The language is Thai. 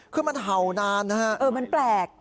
คือมันเห่านานนะฮะเออมันแปลก